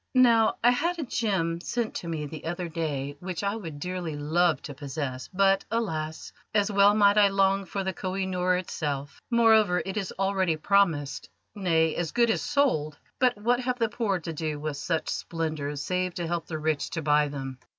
Now, I had a gem sent to me the other day which I would dearly love to possess, but, alas! as well might I long for the Koh i Noor itself. Moreover, it is already promised nay, as good as sold. But what have the poor to do with such splendours save to help the rich to buy them!"